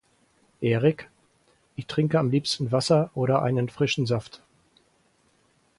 Eric: Ich trinke am liebsten Wasser oder einen frischen Saft.